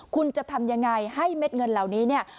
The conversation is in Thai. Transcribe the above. คุณจะทำอย่างไรให้เม็ดเงินเหล่านี้